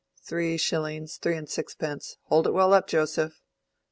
Three shillings—three and sixpence—hold it well up, Joseph!